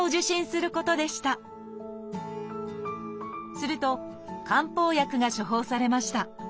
すると漢方薬が処方されました。